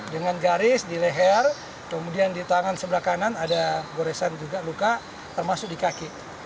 dengan garis di leher kemudian di tangan sebelah kanan ada goresan juga luka termasuk di kaki